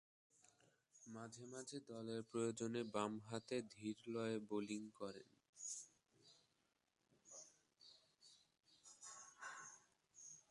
মাঝেমাঝে দলের প্রয়োজনে বামহাতে ধীরলয়ে বোলিং করেন।